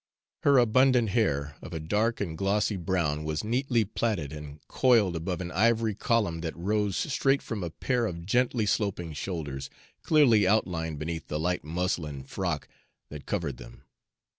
Her abundant hair, of a dark and glossy brown, was neatly plaited and coiled above an ivory column that rose straight from a pair of gently sloping shoulders, clearly outlined beneath the light muslin frock that covered them.